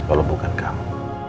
kalau bukan kamu